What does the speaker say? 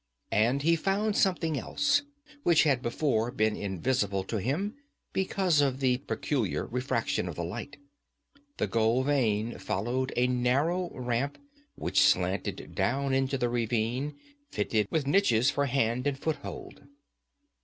And he found something else, which had before been invisible to him because of the peculiar refraction of the light. The gold vein followed a narrow ramp which slanted down into the ravine, fitted with niches for hand and foot hold.